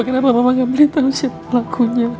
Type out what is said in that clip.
kenapa mama ngambilin tangsiap pelakunya